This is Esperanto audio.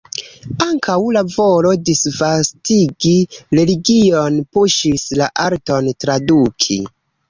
Ankaŭ la volo disvastigi religion puŝis la arton traduki.